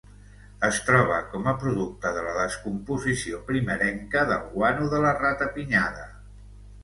Es troba com a producte de la descomposició primerenca del guano de la ratapinyada.